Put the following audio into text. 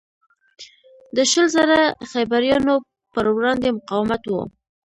د شل زره خیبریانو پروړاندې مقاومت و.